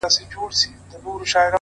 • دا يې د ميــــني تـرانـــه ماته كــړه؛